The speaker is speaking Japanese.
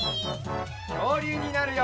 きょうりゅうになるよ！